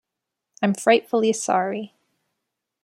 I'm frightfully sorry.